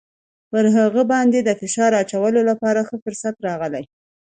پر هغه باندې د فشار اچولو لپاره ښه فرصت راغلی.